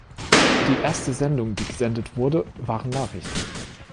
Die erste Sendung die gesendet wurde, waren Nachrichten.